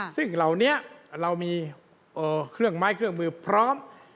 ซึ่งเหล่านี้เรามีเครื่องไม้เครื่องมือพร้อม